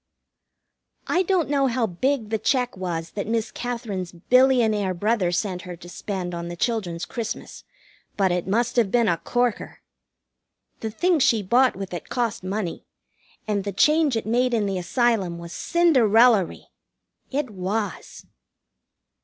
I don't know how big the check was that Miss Katherine's billionaire brother sent her to spend on the children's Christmas, but it must have been a corker. The things she bought with it cost money, and the change it made in the Asylum was Cinderellary. It was.